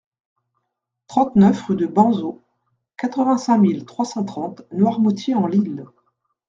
trente-neuf rue de Banzeau, quatre-vingt-cinq mille trois cent trente Noirmoutier-en-l'Île